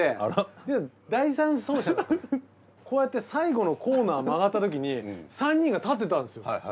こうやって最後のコーナー曲がったときに３人が立ってたんですよ。